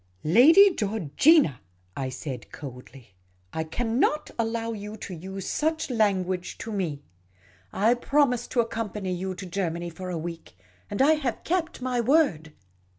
" Lady Georgina," I said, coldly, " I cannot allow you to use such language to me. I promised to accompany you to Germany for a week ; and I have kept my word.